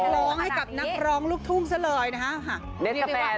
ร้องให้กับนักร้องลูกถุงศะเลีย